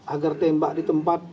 agar tembak di tempat